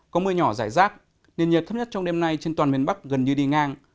có mưa nhỏ rải rác nên nhiệt thấp nhất trong đêm nay trên toàn miền bắc gần như đi ngang